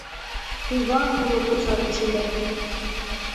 Туҙан булып оса кешеләр.